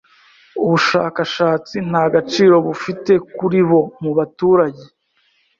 ubushakashatsi nta gaciro bufite kuri bo mubaturage